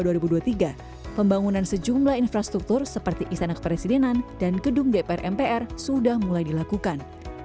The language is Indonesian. dalam periode dua ribu dua puluh dua dua ribu dua puluh tiga pembangunan sejumlah infrastruktur seperti istana kepresidenan dan gedung dpr mpr sudah mulai dilakukan